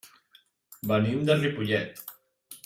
Venim de Ripollet.